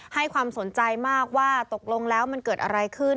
ให้ความสนใจมากว่าตกลงแล้วมันเกิดอะไรขึ้น